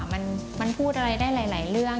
มันพูดอะไรได้หลายเรื่อง